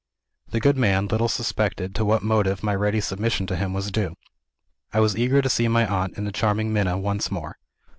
The good man little suspected to what motive my ready submission to him was due. I was eager to see my aunt and the charming Minna once more.